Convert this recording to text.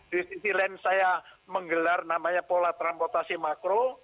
di sisi lain saya menggelar namanya pola transportasi makro